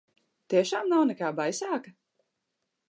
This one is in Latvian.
Tiešām nav nekā baisāka?